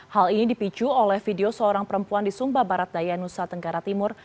hal ini dipicu oleh video seorang perempuan di sumba barat daya nusa tenggara timur